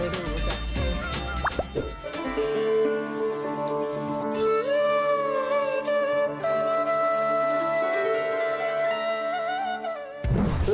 นี่ดู